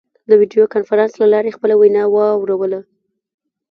د ویډیو کنفرانس له لارې خپله وینا واوروله.